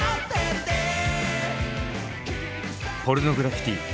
ポルノグラフィティ。